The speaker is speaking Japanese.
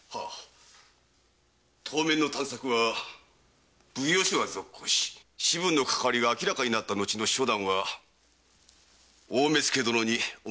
当面の探索は奉行所が続行し士分のかかわりが明らかになった後の処断は大目付殿にお任せ願いとうぞんじます。